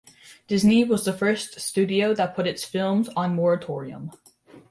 Disney was the first studio that put its films on moratorium.